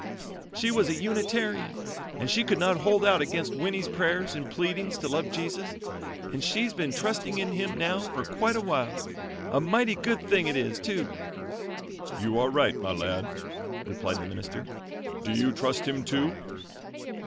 "She was a Unitarian, and she could not hold out against Winnie's prayers and pleadings to love Jesus, and she's been trusting in Him now for quite awhile. A mighty good thing it is, too." "You are right, my lad," replied the minister. "Do you trust Him, too?"